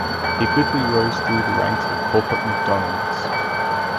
He quickly rose through the ranks of corporate McDonald's.